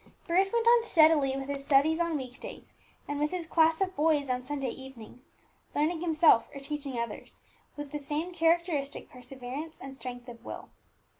Bruce went on steadily with his studies on week days, and with his class of boys on Sunday evenings, learning himself or teaching others with the same characteristic perseverance and strength of will.